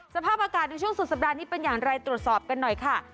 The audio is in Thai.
สภาพอากาศในช่วงสุดสัปดาห์นี้เป็นอย่างไรตรวจสอบกันหน่อยค่ะ